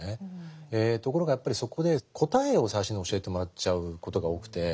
ところがやっぱりそこで答えを最初に教えてもらっちゃうことが多くて。